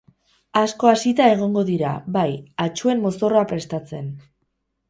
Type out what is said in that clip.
Asko hasita egongo dira, bai, atsuen mozorroa prestatzen.